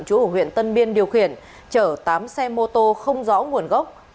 chủ ủ huyện tân biên điều khiển chở tám xe mô tô không rõ nguồn gốc